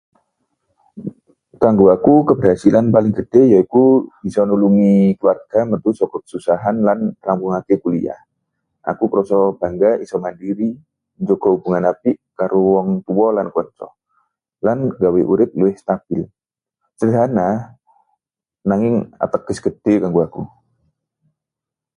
Kanggo aku, kaberhasilan paling gedhe yaiku bisa nulungi keluarga metu saka kesusahan lan rampungaké kuliah. Aku krasa bangga isa mandiri, njaga hubungan apik karo wong tuwa lan kanca, lan nggawe urip luwih stabil. Sederhana, nanging ateges gedhe kanggo aku.